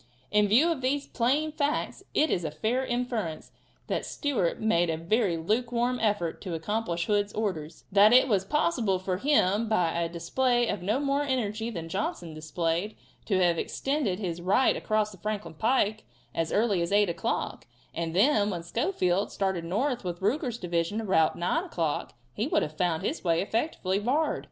In view of these plain facts it is a fair inference that Stewart made a very lukewarm effort to accomplish Hood's orders; that it was possible for him, by a display of no more energy than Johnson displayed, to have extended his right across the Franklin pike as early as 8 o'clock, and then when Schofield started north with Ruger's division about 9 o'clock, he would have found the way effectually barred.